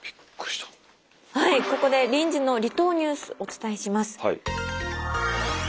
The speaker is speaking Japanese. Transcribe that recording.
はいここで臨時の離島ニュースお伝えします。